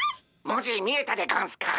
文字見えたでゴンスか？